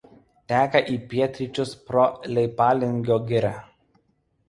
Teka į pietryčius pro Leipalingio girią.